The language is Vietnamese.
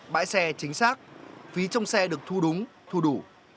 bãi xe chính xác phí trong xe được thu đúng thu đủ